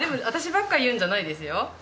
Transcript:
私ばっか言うんじゃないですよ